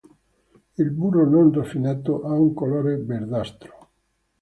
Il burro non raffinato ha un colore verdastro.